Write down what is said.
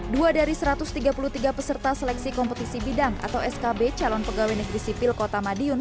dua dari satu ratus tiga puluh tiga peserta seleksi kompetisi bidang atau skb calon pegawai negeri sipil kota madiun